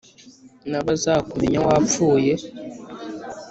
nabazakumenya wapfuye